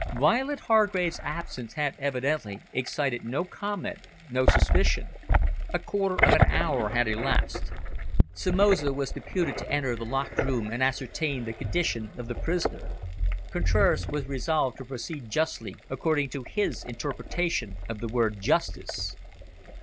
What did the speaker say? Violet Hargrave's absence had evidently excited no comment, no suspicion. A quarter of an hour had elapsed. Somoza was deputed to enter the locked room and ascertain the condition of the prisoner. Contraras was resolved to proceed justly, according to his interpretation of the word justice.